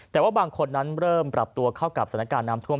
แต่ว่าบางคนนั้นเริ่มปรับตัวเข้ากับสถานการณ์น้ำท่วม